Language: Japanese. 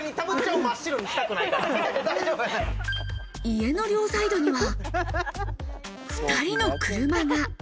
家の両サイドには、２人の車が。